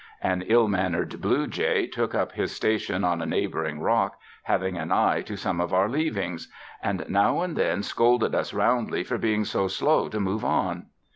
An ill man nered blue jay took up his station on a neighboring rock, having an eye to some of our leavings, and now and then scolded us roundly for being so slow to move on.